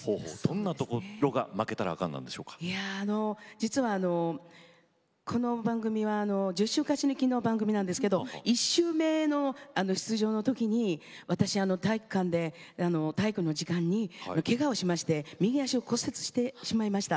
実はこの番組は１０週勝ち抜きの番組なんですけど１週目の出場の時に私体育館で体育の時間にけがをしまして右足を骨折してしまいました。